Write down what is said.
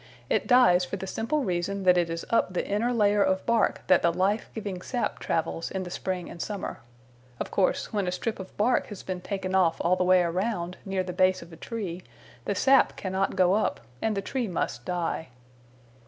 It dies for the simple reason that it is up the inner layer of bark that the life giving sap travels in the spring and summer. Of course, when a strip of bark has been taken off all the way around near the base of a tree, the sap cannot go up and the tree must die.